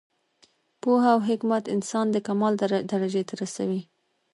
پوهه او حکمت انسان د کمال درجې ته رسوي.